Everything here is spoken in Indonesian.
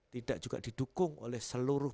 tidak juga didukung oleh seluruh